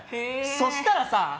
そしたらさ。